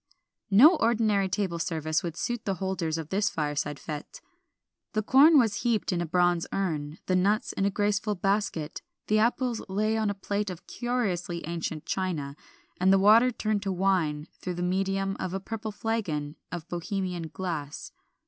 No ordinary table service would suit the holders of this fireside fête. The corn was heaped in a bronze urn, the nuts in a graceful basket, the apples lay on a plate of curiously ancient china, and the water turned to wine through the medium of a purple flagon of Bohemian glass.